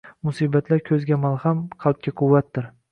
Musibatlar ko‘zga malham, qalbga quvvatdir.